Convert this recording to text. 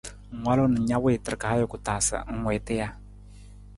Ng walu na na wiitar ka ajuku taa sa ng wiita ja?